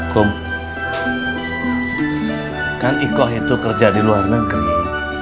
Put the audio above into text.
kan iko itu kerja di luar negeri